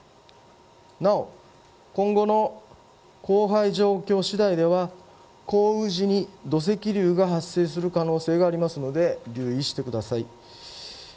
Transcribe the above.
なお今後の降灰状況次第では降雨時に土石流が発生する可能性がありますので注意してください。